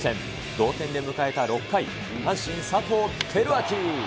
同点で迎えた６回、阪神、佐藤輝明。